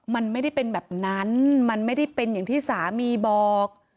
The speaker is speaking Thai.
มันไม่ได้เป็นแบบนั้นมันไม่ได้เป็นอย่างที่สามีบอก